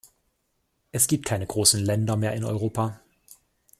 Es gibt keine großen Länder mehr in Europa.